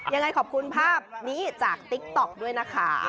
ยังไงขอบคุณภาพนี้จากติ๊กต๊อกด้วยนะคะ